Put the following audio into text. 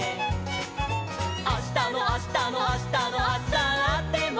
「あしたのあしたのあしたのあさっても」